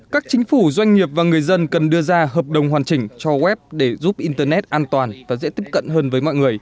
các chính phủ doanh nghiệp và người dân cần đưa ra hợp đồng hoàn chỉnh cho web để giúp internet an toàn và dễ tiếp cận hơn với mọi người